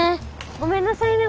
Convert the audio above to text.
ごめんなさいね